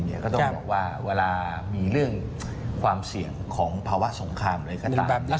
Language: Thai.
ก็ต้องบอกว่าเวลามีเรื่องความเสี่ยงของภาวะสงครามอะไรก็ตาม